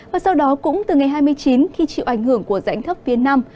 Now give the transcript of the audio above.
và sau đó cũng từ ngày hai mươi chín khi chịu ảnh hưởng của dãy thấp biển nam